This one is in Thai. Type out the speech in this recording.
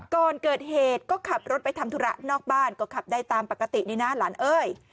ก่อนเกิดเหตุก็ขับรถไปทำธุระนอกบ้านก็ขับได้ตามปกตินี่นะหลานเอ้ย